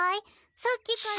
さっきから何を。